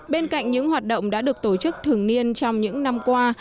bên cạnh những hoạt động đã được tổ chức thường niên trong những năm qua